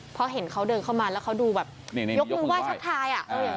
เพราะเห็นเขาเดินเข้ามาแล้วเขาดูแบบยกมือไหว้ทักทาย